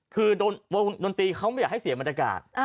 คือวงดนตรีเขาไม่อยากให้เสียบรรยากาศ